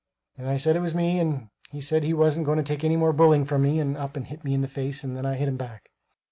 and I said it was me, and he said he wasn't going to take any more bullying from me and up and hit me in the face and then I hit him back.